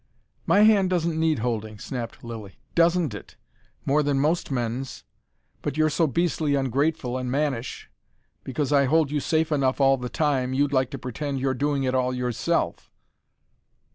"My hand doesn't need holding," snapped Lilly. "Doesn't it! More than most men's! But you're so beastly ungrateful and mannish. Because I hold you safe enough all the time you like to pretend you're doing it all yourself."